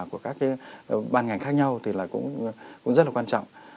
của các cái ban ngành khác nhau thì là cũng rất là quan trọng